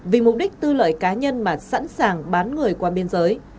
vì mục đích tư lợi cá nhân mà sẵn sàng bán người qua biên giới